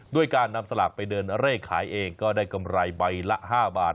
ด้วยการนำสลากไปเดินเร่ขายเองก็ได้กำไรใบละ๕บาท